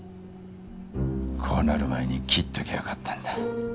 こうなる前に切っときゃ良かったんだ。